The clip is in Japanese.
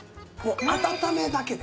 温めだけで。